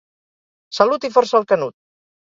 Salut i força al canut!